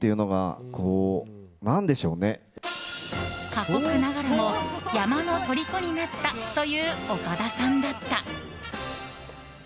過酷ながらも山のとりこになったという岡田さんだった。